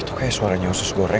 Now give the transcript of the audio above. itu kayak suaranya khusus gorek